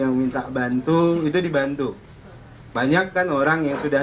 yang minta bantu itu dibantu banyak kan orang yang sudah